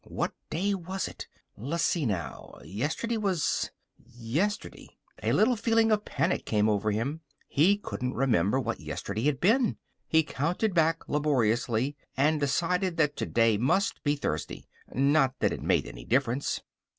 What day was it? L'see now. Yesterday was yesterday. A little feeling of panic came over him. He couldn't remember what yesterday had been. He counted back laboriously and decided that today must be Thursday. Not that it made any difference.